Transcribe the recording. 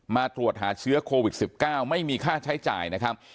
มาตรวจหาเชื้อโควิด๑๙ไม่มีค่าใช้จ่ายนะครับ